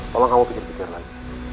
soal kamu pengen pikir pikir lagi